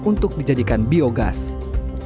untuk menjadikan waduk yang lebih berhasil diperoleh di dunia